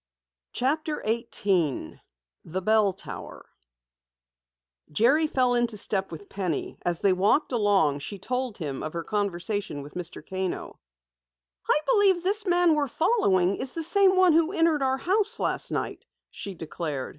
CHAPTER 18 THE BELL TOWER Jerry fell into step with Penny. As they walked along, she told him of her conversation with Mr. Kano. "I believe this man we're following is the same one who entered our house last night," she declared.